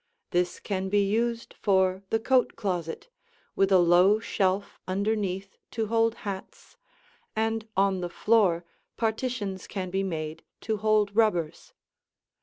This can be used for the coat closet, with a low shelf underneath to hold hats; and on the floor partitions can be made to hold rubbers.